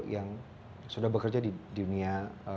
yang sudah bekerja di dunia